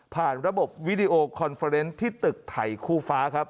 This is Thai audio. ระบบวิดีโอคอนเฟอร์เนส์ที่ตึกไทยคู่ฟ้าครับ